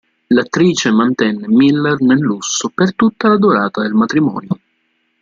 L'attrice mantenne Miller nel lusso per tutta la durata del matrimonio.